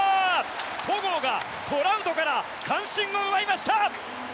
戸郷がトラウトから三振を奪いました！